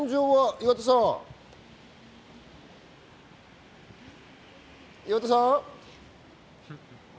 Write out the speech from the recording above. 岩田さん？